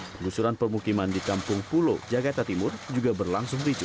penggusuran permukiman di kampung pulo jakarta timur juga berlangsung ricu